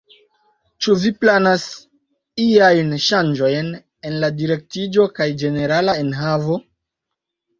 Ĉu vi planas iajn ŝanĝojn en la direktiĝo kaj ĝenerala enhavo?